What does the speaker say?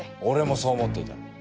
俺もそう思っていた。